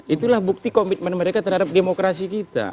itulah bukti komitmen mereka terhadap demokrasi kita